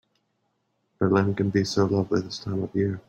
Berlin can be so lovely this time of year.